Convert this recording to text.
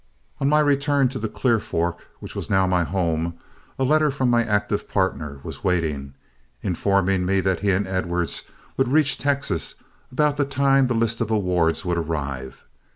On my return to the Clear Fork, which was now my home, a letter from my active partner was waiting, informing me that he and Edwards would reach Texas about the time the list of awards would arrive.